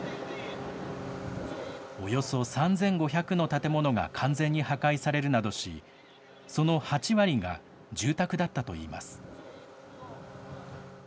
およそ３５００の建物が完全に破壊されるなどし、その８割が住宅だったといいます。